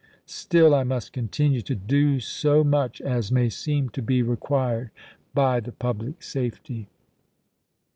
8^J^JW' Still I must continue to do so much as may seem to be 1863. ' required by the public safety.